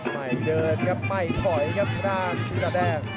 ไม่เดินครับไม่ถอยครับด้านพี่สาดแดง